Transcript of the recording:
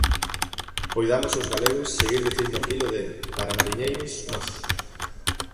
Poidamos os galegos seguir dicindo aquilo de "Para mariñeiros, nós"!